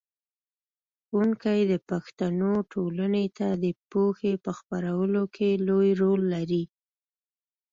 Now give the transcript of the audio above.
ښوونکی د پښتنو ټولنې ته د پوهې په خپرولو کې لوی رول لري.